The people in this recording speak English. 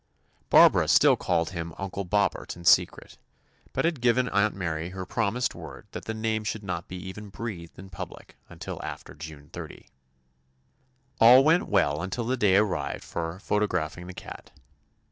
Barbara still called him "Uncle Bobbert" in secret, but had given Aunt Mary her promised word that the name should not be even breathed in public until after June 30. All went well until the day arrived for photographing the cat.